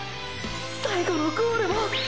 最後のゴールも！！